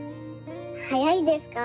早いですか？